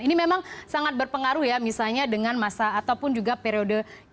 ini memang sangat berpengaruh ya misalnya dengan masa ataupun juga periode